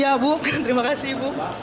ya ibu terima kasih ibu